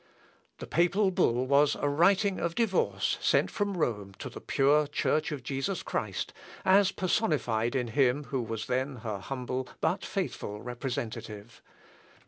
The papal bull was a writing of divorce sent from Rome to the pure Church of Jesus Christ, as personified in him who was then her humble but faithful representative.